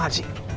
ya ampun ricky